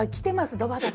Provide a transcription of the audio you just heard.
ドバドバ。